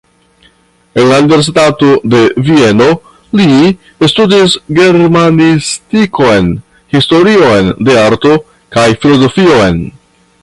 En la universitato de Vieno li studis germanistikon, historion de arto kaj filozofion.